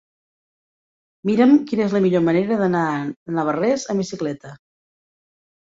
Mira'm quina és la millor manera d'anar a Navarrés amb bicicleta.